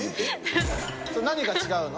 何が違うの？